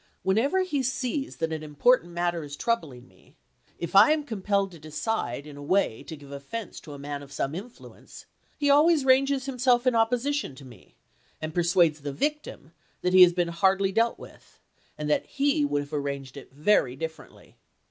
Whenever he sees that an important matter is troubling me, if I am compelled to decide in a way to give offense to a man of some influence, he always ranges himself in opposition to me and persuades the victim that he has been hardly dealt with, and that he would have arranged it very dif ferently.